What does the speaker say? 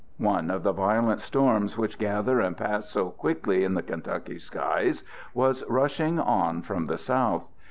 One of the violent storms which gather and pass so quickly in the Kentucky skies was rushing on from the south.